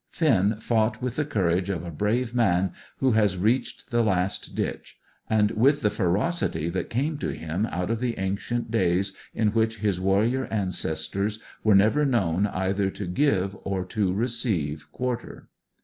Finn fought with the courage of a brave man who has reached the last ditch, and with the ferocity that came to him out of the ancient days in which his warrior ancestors were never known either to give or to receive quarter.